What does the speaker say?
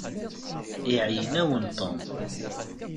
Iɛeyyen-awent Tom.